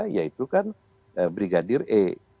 yaitu kan brigadir e